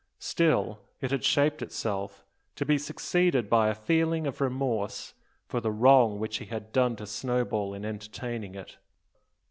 Still, it had shaped itself, to be succeeded by a feeling of remorse for the wrong which he had done to Snowball in entertaining it.